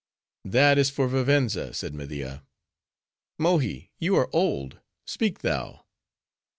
"That is for Vivenza," said Media. "Mohi, you are old: speak thou."